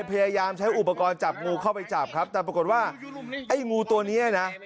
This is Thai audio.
พยายามใช้อุปกรณ์จับงูเข้าไปจับครับแต่ปรากฏว่าไอ้งูตัวเนี้ยนะ